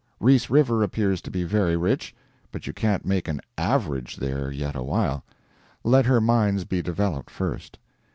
Reese River appears to be very rich, but you can't make an "average" there yet awhile; let her mines be developed first.